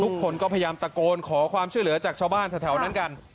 ทุกคนก็พยายามตะโกนขอความช่วยเหลือจากชาวบ้านแถวนั้นกัน